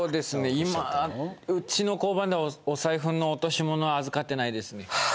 今うちの交番ではお財布の落とし物は預かってないですねは